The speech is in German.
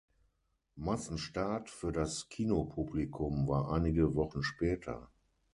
Massenstart für das Kinopublikum war einige Wochen später.